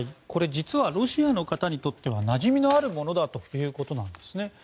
これ実はロシアの方にとってはなじみのあるものだということです。